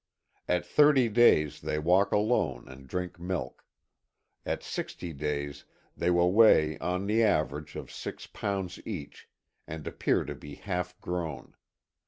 At thirty days they walk alone and drink milk. At sixty days they will weigh on the average of six lbs. each, and appear to be half grown.